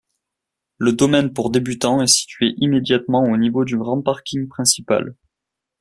Le domaine pour débutants est situé immédiatement au niveau du grand parking principal.